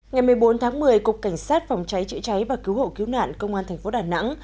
ngày một mươi bốn tháng một mươi cục cảnh sát phòng cháy chữa cháy và cứu hộ cứu nạn công an thành phố đà nẵng